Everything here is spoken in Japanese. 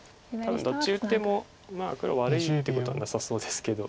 どっち打っても黒悪いってことはなさそうですけど。